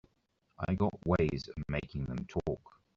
I got ways of making them talk.